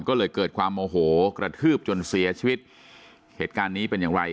ก็เลยเกิดความโมโหกระทืบจนเสียชีวิตเหตุการณ์นี้เป็นอย่างไร